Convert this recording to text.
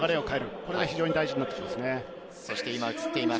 それが非常に大事になってきます。